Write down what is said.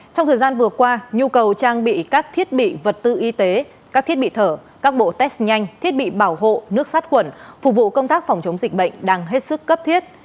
trong thời gian vừa qua nhu cầu trang bị các thiết bị vật tư y tế các thiết bị thở các bộ test nhanh thiết bị bảo hộ nước sát quẩn phục vụ công tác phòng chống dịch bệnh đang hết sức cấp thiết